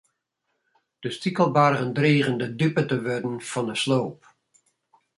De stikelbargen drigen de dupe te wurden fan de sloop.